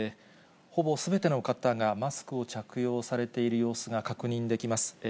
ほぼすべての方がマスクを着用されている様子が確認できます。